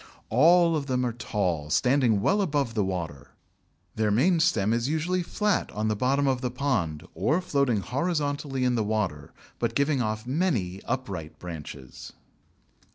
All of them are tall, standing well above the water; their main stem is usually flat on the bottom of the pond, or floating horizontally in the water, but giving off many upright branches.